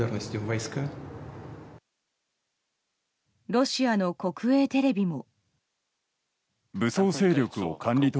ロシアの国営テレビも。